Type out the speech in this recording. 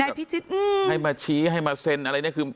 พิชิตอืมให้มาชี้ให้มาเซ็นอะไรเนี่ยคือ